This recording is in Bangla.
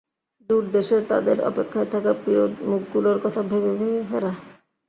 দূর দেশে তাঁদের অপেক্ষায় থাকা প্রিয় মুখগুলোর কথা ভেবে ভেবে ফেরা।